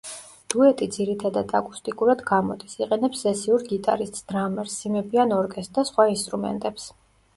დუეტი ძირითადად აკუსტიკურად გამოდის, იყენებს სესიურ გიტარისტს, დრამერს, სიმებიან ორკესტრს და სხვა ინსტრუმენტებს.